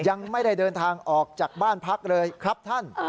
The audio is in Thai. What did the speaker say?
ยังไม่ได้เดินทางออกจากบ้านพักเลยครับท่าน